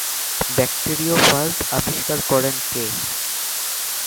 Bacteriophage আবিষ্কার করেন কে?